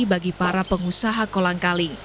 bagi para pengusaha kolangkaling